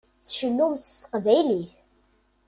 Tcennumt s teqbaylit.